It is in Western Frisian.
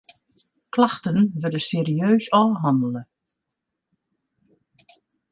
Klachten wurde serieus ôfhannele.